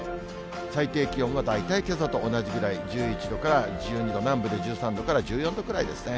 最低気温は大体けさと同じぐらい、１１度から１２度、南部で１３度から１４度くらいですね。